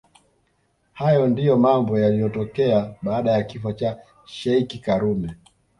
Hayo ndio mambo yaliyotokea baada ya kifo cha sheikh karume